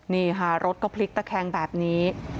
นี่ค่ะรถก็พลิกตะแคงแบบนี้